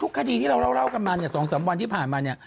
คดีที่เราเล่ากันมาเนี่ย๒๓วันที่ผ่านมาเนี่ย